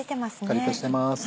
カリっとしてます。